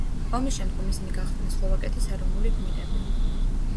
ომის შემდგომ ისინი გახდნენ სლოვაკეთის ეროვნული გმირები.